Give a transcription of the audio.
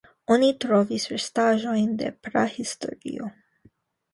Oni trovis restaĵojn de prahistorio.